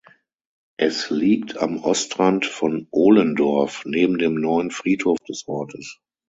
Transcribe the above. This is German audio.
Es liegt am Ostrand von Ohlendorf neben dem neuen Friedhof des Ortes.